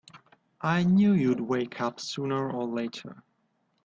I knew you'd wake up sooner or later!